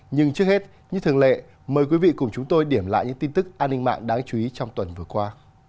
nhưng trước hết như thường lệ mời quý vị cùng chúng tôi điểm lại những tin tức an ninh mạng đáng chú ý trong tuần vừa qua